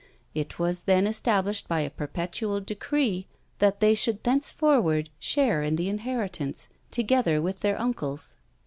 It was then established by a perpetual decree that they should thenceforward share in the inheritance, together with their uncles.